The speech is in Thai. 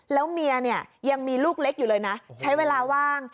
แล้วเมียเนี่ยยังมีลูกเล็กอยู่เลยนะใช้เวลาว่าง